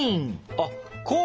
あっこう。